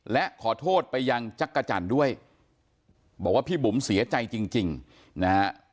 และขอโทษไปยังจักรจันทร์ด้วยบอกว่าพี่บุ๋มเสียใจจริงนะฮะ